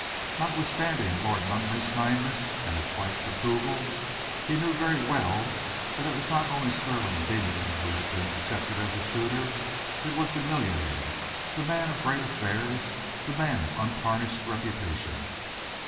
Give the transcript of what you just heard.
Notwithstanding Lord Nunneley's kindness, and his wife's approval, he knew very well that it was not only Stirling Deane who had been accepted as a suitor. It was the millionaire, the man of great affairs, the man of untarnished reputation.